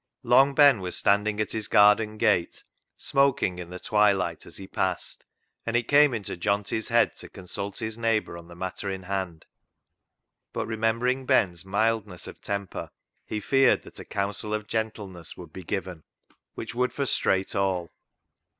Long Ben was standing at his garden gate smoking in the twilight as he passed, and it came into Johnty's head to consult his neigh bour on the matter in hand, but remembering FOR BETTER, FOR WORSE 175 Ben's mildness of temper, he feared that a counsel of gentleness would be given, which would frustrate all.